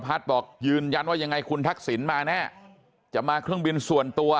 บอกยืนยันว่ายังไงคุณทักษิณมาแน่จะมาเครื่องบินส่วนตัว